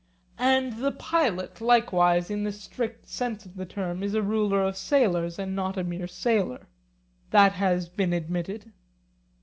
And the pilot likewise, in the strict sense of the term, is a ruler of sailors and not a mere sailor? That has been admitted.